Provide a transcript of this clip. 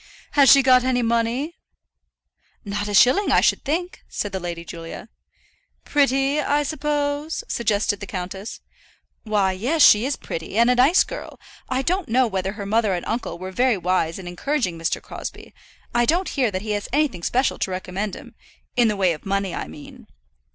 "Has she got any money?" "Not a shilling, I should think," said the Lady Julia. "Pretty, I suppose?" suggested the countess. "Why, yes; she is pretty and a nice girl. I don't know whether her mother and uncle were very wise in encouraging Mr. Crosbie. I don't hear that he has anything special to recommend him, in the way of money I mean."